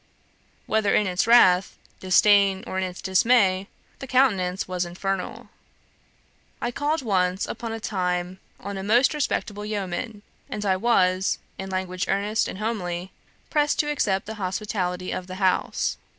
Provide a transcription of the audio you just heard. Whether in its wrath, disdain, or its dismay, the countenance was infernal. I called once upon a time on a most respectable yeoman, and I was, in language earnest and homely, pressed to accept the hospitality of the house.